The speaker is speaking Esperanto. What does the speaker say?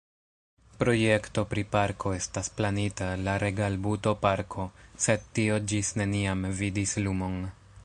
Projekto pri parko estas planita, la Regalbuto-parko, sed tio ĝis neniam vidis lumon.